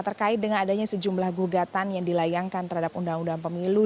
terkait dengan adanya sejumlah gugatan yang dilayangkan terhadap undang undang pemilu